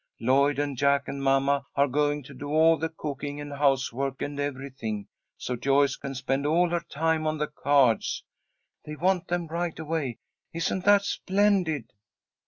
Lloyd and Jack and mamma are going to do all the cooking and housework and everything, so Joyce can spend all her time on the cards. They want them right away. Isn't that splendid?"